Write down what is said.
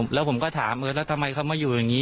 แล้วผมก็ถามเออแล้วทำไมเขามาอยู่อย่างนี้